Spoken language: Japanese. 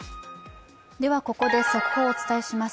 ここで速報をお伝えします。